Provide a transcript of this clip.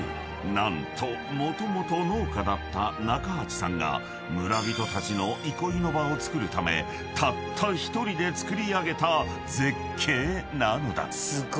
何ともともと農家だった中鉢さんが村人たちの憩いの場をつくるためたった１人でつくり上げた絶景なのだ］